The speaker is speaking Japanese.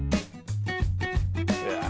うわ